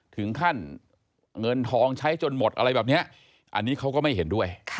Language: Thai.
ถึงขั้นเงินทองใช้จนหมดอะไรแบบนี้อันนี้เขาก็ไม่เห็นด้วย